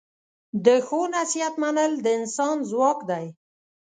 د ښو نصیحت منل د انسان ځواک دی.